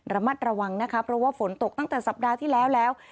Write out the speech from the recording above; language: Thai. ระมัดระวังนะคะเพราะว่าฝนตกตั้งแต่สัปดาห์ที่แล้วแล้ว